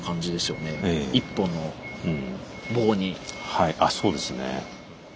はいあっそうですね。